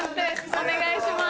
お願いします。